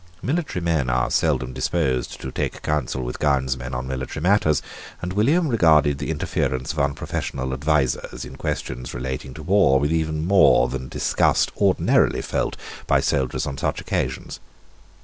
Military men are seldom disposed to take counsel with gownsmen on military matters; and William regarded the interference of unprofessional advisers, in questions relating to war, with even more than the disgust ordinarily felt by soldiers on such occasions.